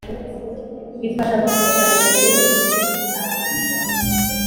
Bifasha amakusanyirizo yo mu bice by icyaro